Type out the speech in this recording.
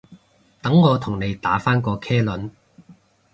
等我同你打返個茄輪